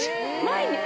前に？